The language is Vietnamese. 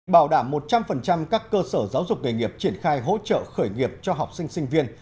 bảo đảm một trăm linh các cơ sở giáo dục nghề nghiệp triển khai hỗ trợ khởi nghiệp cho học sinh sinh viên